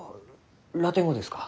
ラテン語ですか？